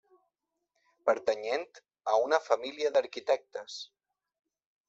Pertanyent a una família d'arquitectes.